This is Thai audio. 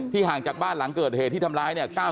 ห่างจากบ้านหลังเกิดเหตุที่ทำร้ายเนี่ย